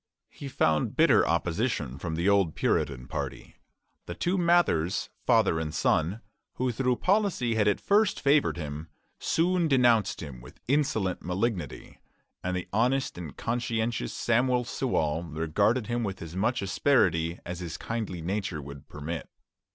He found bitter opposition from the old Puritan party. The two Mathers, father and son, who through policy had at first favored him, soon denounced him with insolent malignity, and the honest and conscientious Samuel Sewall regarded him with as much asperity as his kindly nature would permit.